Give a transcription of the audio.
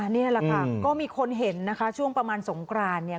นี่แหละค่ะก็มีคนเห็นนะคะช่วงประมาณสงกรานเนี่ย